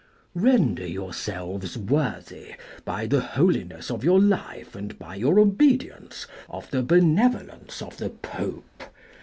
" Render yourselves worthy, by the holiness of your life and by your obedience, of the benevolence of the Pope.